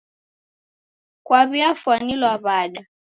Kwaw'iafwanilwa w'ada?